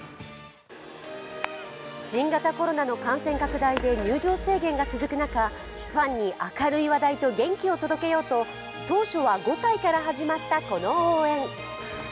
新型コロナの感染拡大で入場制限が続く中ファンに明るい話題と元気を届けようと当初は５体から始まったこの応援。